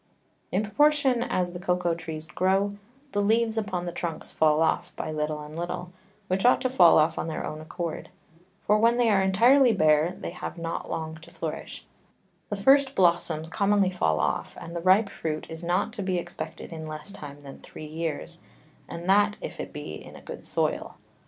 In proportion as the Cocao Trees grow, the Leaves upon the Trunks fall off by little and little, which ought to fall off on their own accord; for when they are entirely bare, they have not long to flourish: The first Blossoms commonly fall off, and the ripe Fruit is not to be expected in less time than three Years, and that if it be in a good Soil.